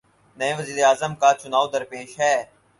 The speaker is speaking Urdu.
نئے وزیر اعظم کا چنائو درپیش ہے۔